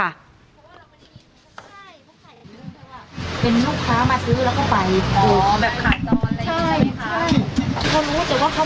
ถ้ามาสั่งข้าวก็คือเราขายข้าวแล้วก็จบ